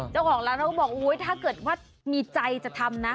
เจ้าของร้านเขาก็บอกอุ๊ยถ้าเกิดว่ามีใจจะทำนะ